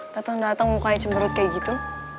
dateng dateng mukanya cemberut kayak gitu